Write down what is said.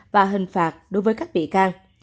và hình phạt đối với các bị can